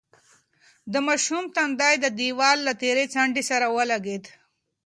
د ماشوم تندی د دېوال له تېرې څنډې سره ولگېد.